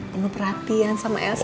penuh perhatian sama elsa